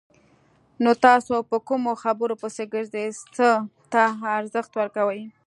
نو تاسو په کومو خبرو پسې ګرځئ! څه ته ارزښت ورکوئ؟